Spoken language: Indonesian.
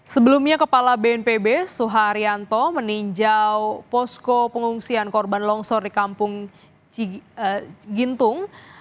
sebelumnya kepala bnpb suharyanto meninjau posko pengungsian korban longsor di kampung gintung